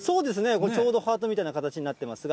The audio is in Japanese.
これ、ちょうどハートみたいな形になっていますが。